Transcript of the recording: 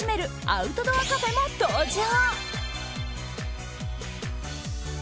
アウトドアカフェも登場。